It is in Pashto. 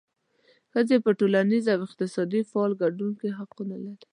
ښځې په ټولنیز او اقتصادي فعال ګډون کې حقونه لري.